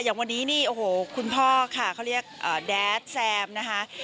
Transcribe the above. อย่างวันนี้นี่โอ้โหคุณพ่อค่ะเขาเรียกแดดแซมนะคะ